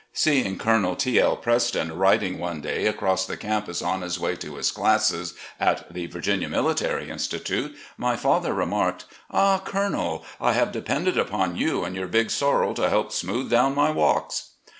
Seeing Colonel T. L. Preston riding one day across the camptis on his way to his classes at the Vii'ginia Military Institute, my father remarked: "Ah, Colonel, I have depended upon you and your big sorrel to help smooth do'wn my •walks